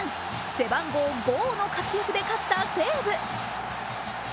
背番号ゴーの活躍で勝った西武。